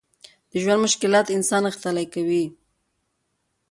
د ژوند مشکلات انسان غښتلی کوي.